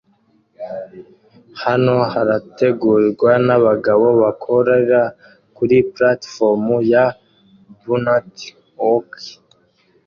Hano harategurwa nabagabo bakorera kuri platifomu ya Burnt Oak